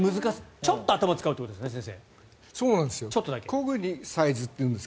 ちょっと頭を使うということですね、先生。